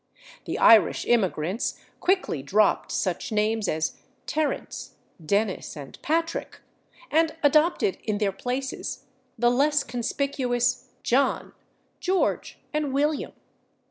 The Irish immigrants quickly dropped such names as /Terence/, /Dennis/ and /Patrick/, and adopted in their places the less conspicuous /John/, /George/ and /William